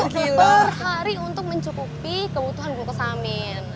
kilo per hari untuk mencukupi kebutuhan glukosamin